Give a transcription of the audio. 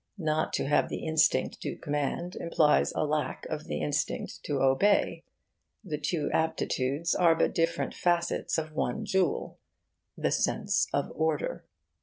Not to have the instinct to command implies a lack of the instinct to obey. The two aptitudes are but different facets of one jewel: the sense of order.